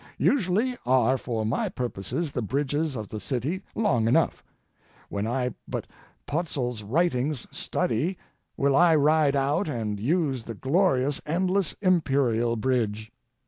Usually are for my purposes the bridges of the city long enough; when I but Potzl's writings study will I ride out and use the glorious endless imperial bridge.